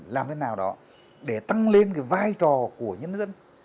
làm thế nào đó để tăng lên cái vai trò của nhân dân